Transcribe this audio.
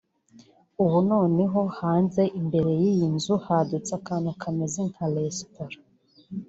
ubu noneho hanze imbere y’iyi nzu hadutse akantu kameze nka ka resitora